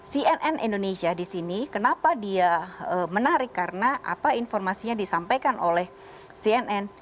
cnn indonesia di sini kenapa dia menarik karena apa informasinya disampaikan oleh cnn